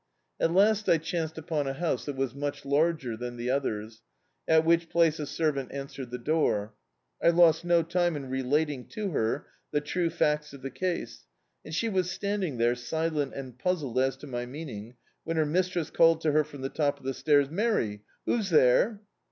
At last I chanced upon a house that was much larger than the others, at which place a servant answered the door. I lost no time in re lating to her the true facts of the case, and she was standing there silent and puzzled as to my mean ing, when her mistress called to her from the top of the stairs — "Mary, who's there?"